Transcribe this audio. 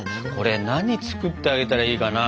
何作ってあげたらいいかな？